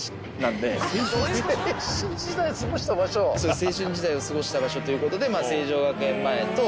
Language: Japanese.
青春時代を過ごした場所！ということで成城学園前と。